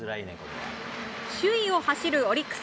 首位を走るオリックス。